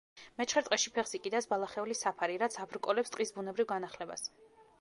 მეჩხერ ტყეში ფეხს იკიდებს ბალახეული საფარი, რაც აბრკოლებს ტყის ბუნებრივ განახლებას.